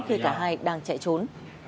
khi cả hai đang chạy trốn